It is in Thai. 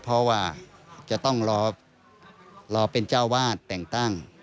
เพราะว่าจะต้องรอเป็นเจ้าวาดแต่งตั้ง